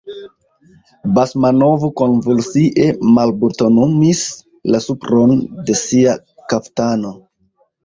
Basmanov konvulsie malbutonumis la supron de sia kaftano.